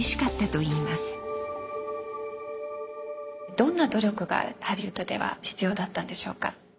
どんな努力がハリウッドでは必要だったんでしょうか。